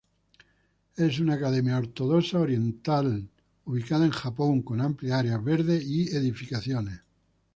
Es una academia Ortodoxa Oriental ubicada en Japón, con amplias áreas verdes y edificaciones.